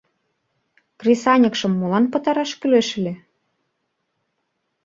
— Кресаньыкшым молан пытараш кӱлеш ыле?